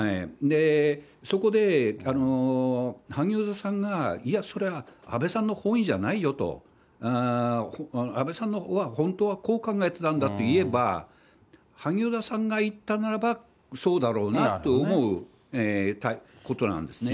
そこで萩生田さんが、いや、それは安倍さんの本意じゃないよと、安倍さんは本当はこう考えてたんだと言えば、萩生田さんが言ったならばそうだろうなと思うことなんですね。